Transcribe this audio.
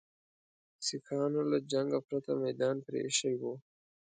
سیکهانو له جنګه پرته میدان پرې ایښی وو.